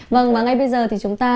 vâng và ngay bây giờ thì chúng ta